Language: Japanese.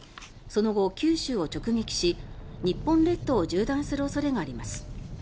その後、九州を直撃し日本列島を縦断する恐れがあります。